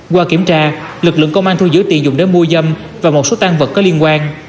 qua kiểm tra lực lượng công an thu giữ tiền dùng để mua dâm và một số tan vật có liên quan